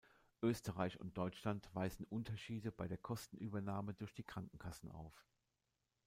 Österreich und Deutschland weisen Unterschiede bei der Kostenübernahme durch die Krankenkassen auf.